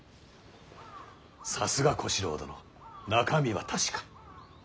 さすが小四郎殿中身は確か。